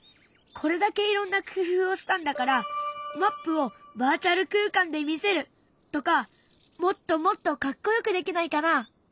これだけいろんな工夫をしたんだからマップをバーチャル空間で見せるとかもっともっとかっこよくできないかな？